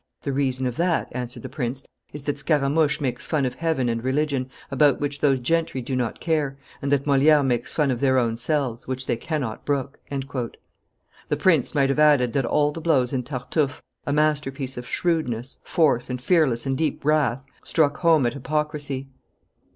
_" "The reason of that," answered the prince, "is, that Scaramouche makes fun of heaven and religion, about which those gentry do not care, and that Moliere makes fun of their own selves, which they cannot brook." The prince might have added that all the blows in Tartuffe, a masterpiece of shrewdness, force, and fearless and deep wrath, struck home at hypocrisy.